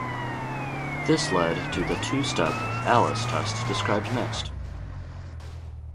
This led to the "two-step" "Alice" test described next.